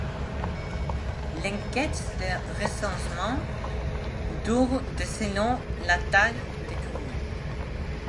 L'enquête de recensement dure de selon la taille des communes.